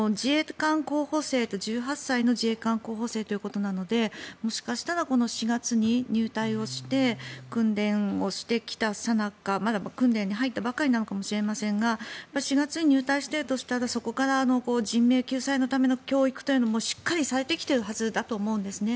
１８歳の自衛官候補生ということなのでもしかしたらこの４月に入隊して訓練をしてきたさなかまだ訓練に入ったばかりなのかもしれませんが４月に入隊しているとしたらそこから人命救済のための教育というのもしっかりされてきているはずだと思うんですね。